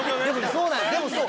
でもそう。